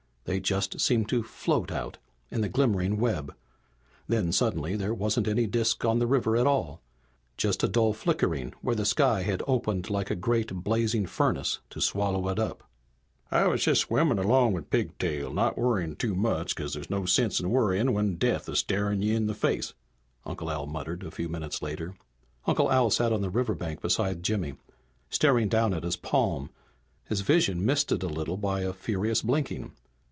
They just seemed to float out, in the glimmering web. Then, suddenly, there wasn't any disk on the river at all just a dull flickering where the sky had opened like a great, blazing furnace to swallow it up. "I was just swimmin' along with Pigtail, not worryin' too much, 'cause there's no sense in worryin' when death is starin' you in the face," Uncle Al muttered, a few minutes later. Uncle Al sat on the riverbank beside Jimmy, staring down at his palm, his vision misted a little by a furious blinking.